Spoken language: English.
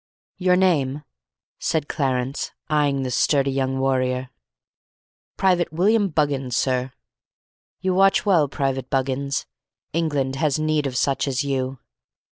"Your name?" said Clarence, eyeing the sturdy young warrior. "Private William Buggins, sir." "You watch well, Private Buggins. England has need of such as you."